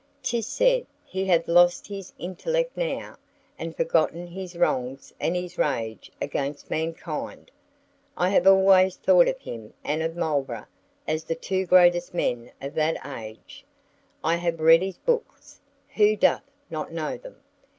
'Tis said he hath lost his intellect now, and forgotten his wrongs and his rage against mankind. I have always thought of him and of Marlborough as the two greatest men of that age. I have read his books (who doth not know them?)